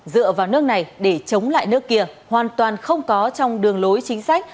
dựa vào nước này để chống lại nước kia hoàn toàn không có trong đường lối chính sách